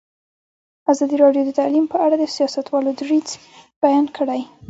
ازادي راډیو د تعلیم په اړه د سیاستوالو دریځ بیان کړی.